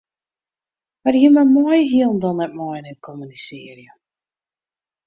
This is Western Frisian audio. Mar jimme meie hielendal net mei-inoar kommunisearje.